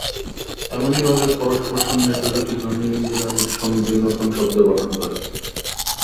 এমনিভাবে পরস্পর সন্নিহিত দুটি ধ্বনির মিলনে সন্ধি নতুন শব্দ গঠন করে।